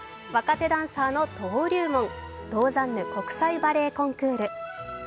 若手ダンサーの登竜門、ローザンヌ国際バレエコンクール。